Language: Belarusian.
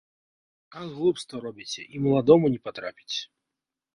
А глупства робіце, і маладому не патрапіць.